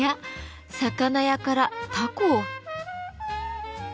魚屋からタコ！